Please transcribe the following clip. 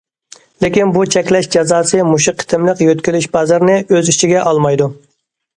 لېكىن بۇ چەكلەش جازاسى مۇشۇ قېتىملىق يۆتكىلىش بازىرىنى ئۆز ئىچىگە ئالمايدۇ.